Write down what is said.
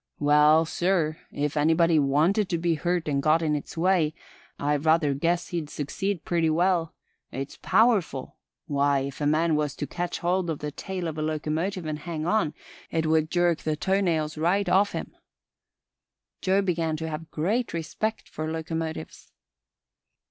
"Well, sir, if anybody wanted to be hurt and got in its way, I rather guess he'd succeed purty well. It's powerful. Why, if a man was to ketch hold of the tail of a locomotive, and hang on, it would jerk the toe nails right off him." Joe began to have great respect for locomotives.